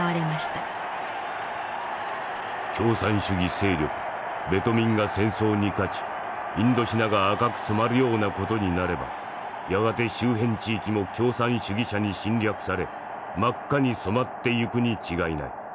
「共産主義勢力ベトミンが戦争に勝ちインドシナが赤く染まるような事になればやがて周辺地域も共産主義者に侵略され真っ赤に染まっていくに違いない。